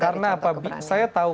karena saya tahu